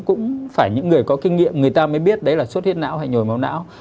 cũng phải những người có kinh nghiệm người ta mới biết đấy là sốt huyết não hay nhồi máu não